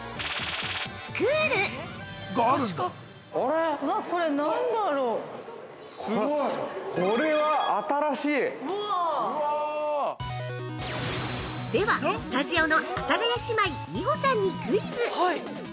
○○スクール◆ではスタジオの阿佐ヶ谷姉妹、美穂さんにクイズ。